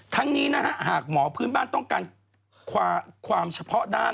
นี้นะฮะหากหมอพื้นบ้านต้องการความเฉพาะด้าน